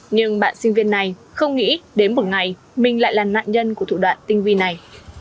nhưng bạn sinh viên này không nghĩ đến một ngày mình lại là nạn nhân của thủ đoạn tinh vi này